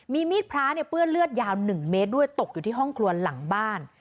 มีมีดพระเนี่ยเปื้อนเลือดยาว๑เมตรด้วยตกอยู่ที่ห้องครัวหลังบ้าน